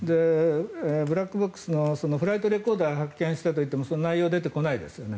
ブラックボックスのフライトレコーダーを発見したといってもその内容が出てこないですよね。